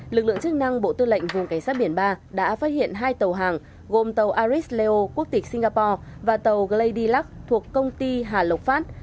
lực lượng chức năng bộ tư lệnh vùng cảnh sát biển ba đã phát hiện hai tàu hàng gồm tàu aris leo quốc tịch singapore và tàu glady luck thuộc công ty hà lộc phát